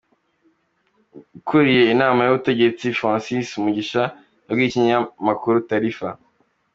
Ukuriye inama y’ubutegetsi, Francis Mugisha yabwiye ikinyamakuru Taarifa.